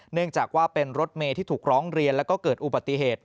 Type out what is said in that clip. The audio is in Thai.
เนื่องจากว่าเป็นรถเมย์ที่ถูกร้องเรียนแล้วก็เกิดอุบัติเหตุ